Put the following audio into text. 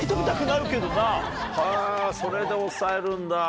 へぇそれで抑えるんだ。